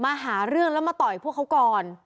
มาหาเรื่องแล้วมาต่อยพวกเขาก่อน